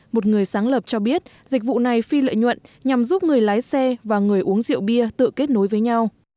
một người sáng lập cho biết dịch vụ này phi lợi nhuận nhằm giúp người lái xe và người uống rượu bia tự kết nối với nhau